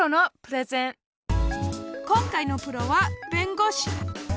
今回のプロは弁護士。